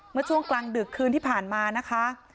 เมื่อช่วงกลางดึกคืนที่ผ่านมานะคะ